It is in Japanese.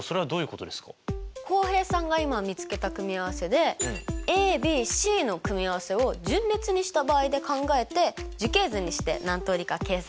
浩平さんが今見つけた組合せでａｂｃの組合せを順列にした場合で考えて樹形図にして何通りか計算してください。